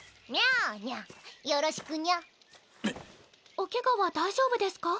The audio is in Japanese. おケガは大丈夫ですか？